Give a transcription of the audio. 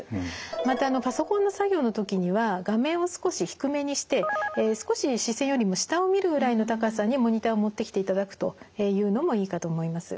またパソコンの作業の時には画面を少し低めにして少し視線よりも下を見るぐらいの高さにモニターを持ってきていただくというのもいいかと思います。